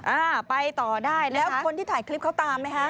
อ่าไปต่อได้แล้วคนที่ถ่ายคลิปเขาตามไหมฮะ